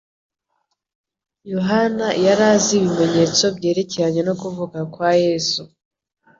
Yohana yari azi ibimenyetso byerekeranye no kuvuka kwa Yesu.